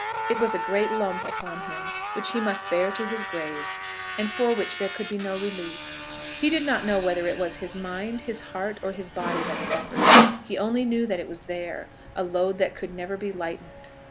It was a great lump upon him, which he must bear to his grave; and for which there could be no release. He did not know whether it was his mind, his heart, or his body that suffered. He only knew that it was there, a load that could never be lightened.